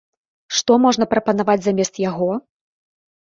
Што можна прапанаваць замест яго?